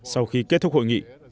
sau khi kết thúc hội nghị